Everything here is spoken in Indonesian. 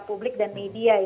publik dan media